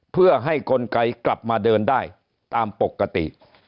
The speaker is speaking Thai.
เพื่อให้กลไกกลับมาเดินได้ตามปกติ